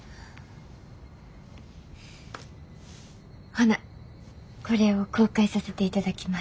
ほなこれを公開させていただきます。